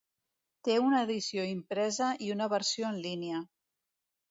Té una edició impresa i una versió en línia.